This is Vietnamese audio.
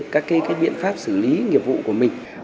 các biện pháp xử lý nghiệp vụ của mình